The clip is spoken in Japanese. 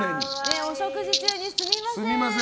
お食事中にすみません。